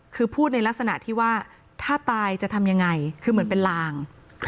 คือพูดในลักษณะที่ว่าถ้าตายจะทำยังไงคือเหมือนเป็นลาง